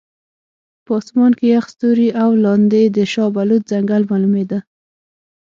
په اسمان کې یخ ستوري او لاندې د شاه بلوط ځنګل معلومېده.